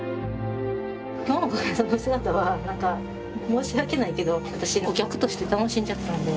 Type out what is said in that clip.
今日の小雁さんの姿は何か申し訳ないけど私お客として楽しんじゃったので。